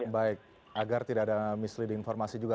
baik agar tidak ada misleadi informasi juga